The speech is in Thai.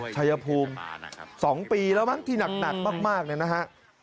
ชายภูมิ๒ปีแล้วมั้งที่หนักมากเนี่ยนะฮะ